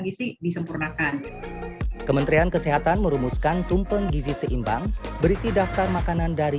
gisi disempurnakan kementerian kesehatan merumuskan tumpeng gizi seimbang berisi daftar makanan dari